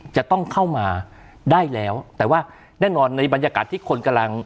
จะต้องเข้ามาได้แล้วแต่ว่าแน่นอนในบรรยากาศที่คนกำลัง